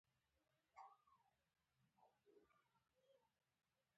هېواد زموږ مال دی